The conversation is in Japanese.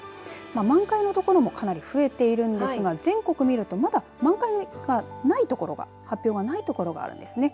満開の所もかなり増えているんですが全国見るとまだ満開がない所が発表がない所があるんですね。